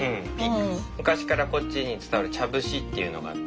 昔からこっちに伝わる茶節っていうのがあって。